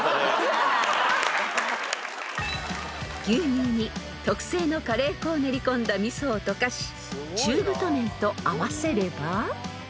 ［牛乳に特製のカレー粉を練り込んだ味噌を溶かし中太麺と合わせれば］